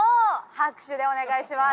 拍手をお願いします。